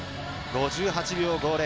５８秒５０。